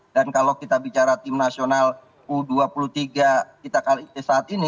dan kalau kita bicara tim nasional u dua puluh tiga kita saat ini